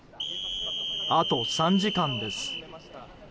あと、３時間です。